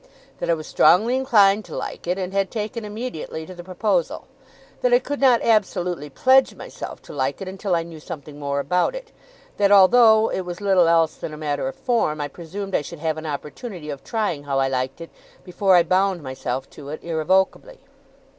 That I was strongly inclined to like it, and had taken immediately to the proposal. That I could not absolutely pledge myself to like it, until I knew something more about it. That although it was little else than a matter of form, I presumed I should have an opportunity of trying how I liked it, before I bound myself to it irrevocably.